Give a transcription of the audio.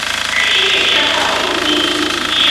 疏齿巴豆为大戟科巴豆属下的一个种。